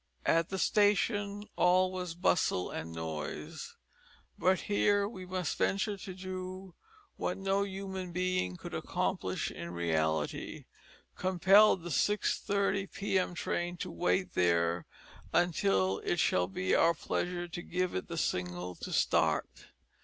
At the station all was bustle and noise; but here we must venture to do what no human being could accomplish in reality, compel the 6:30 p.m. train to wait there until it shall be our pleasure to give it the signal to start!